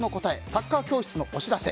サッカー教室のお知らせ。